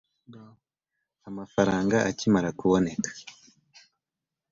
Amafaranga akimara kuboneka